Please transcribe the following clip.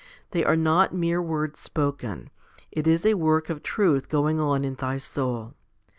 They are not mere words spoken ; it is a work of truth going on in thy soul.